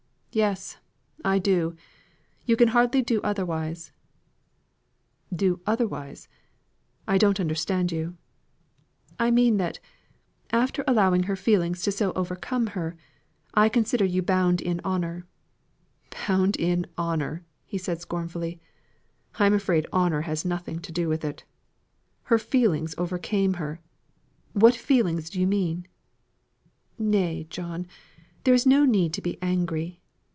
"Yes! I do. You can hardly do otherwise." "Do otherwise! I don't understand you." "I mean that, after allowing her feelings so to overcome her, I consider you bound in honour " "Bound in honour," said he scornfully. "I'm afraid honour has nothing to do with it. 'Her feelings overcome her!' What feelings do you mean?" "Nay, John, there is no need to be angry.